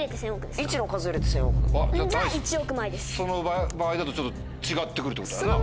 その場合だとちょっと違って来るってことだよな？